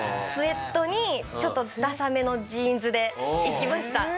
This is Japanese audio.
スウェットにちょっとダサめのジーンズで行きました。